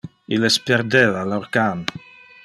Illes perdeva lor can.